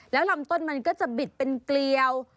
แล้วลำต้นมันก็จะบิดเป็นเกลียว